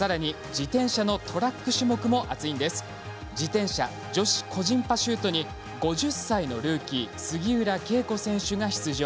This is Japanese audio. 自転車女子個人パシュートに５０歳のルーキー杉浦佳子が出場。